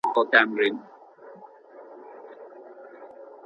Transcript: ممکن بله ورځ خاوند هم د ميرمني اشتباه يا غصه وزغمي.